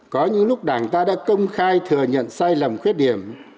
có những lúc đảng ta đã công khai thừa nhận sai lầm khuyết điểm